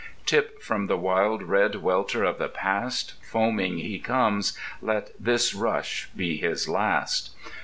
Tip from the wild red Welter of the past Foaming he comes: let this rush, be his last.